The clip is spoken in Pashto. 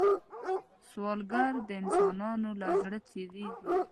سوالګر د انسانانو له زړه تېرېږي